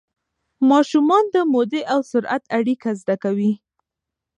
ماشومان د مودې او سرعت اړیکه زده کوي.